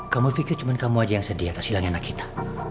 kamu pikir cuma kamu aja yang sedih atas hilangnya anak kita